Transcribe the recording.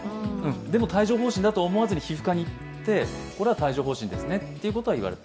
でも、帯状疱疹とは思わずに皮膚科に行ってこれは帯状疱疹ですね、と言われた。